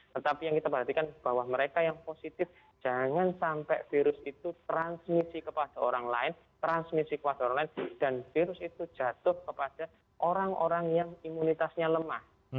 tetapi yang kita perhatikan bahwa mereka yang positif jangan sampai virus itu transmisi kepada orang lain transmisi kepada orang lain dan virus itu jatuh kepada orang orang yang imunitasnya lemah